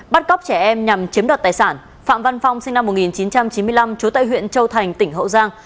bắt cóc trẻ em nhằm chiếm đoạt tài sản phạm văn phong sinh năm một nghìn chín trăm chín mươi năm trú tại huyện châu thành tỉnh hậu giang